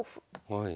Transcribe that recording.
はい。